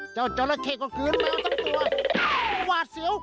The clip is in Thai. จ้าวจอระเข้ก็ขืนแมวตั้งตัว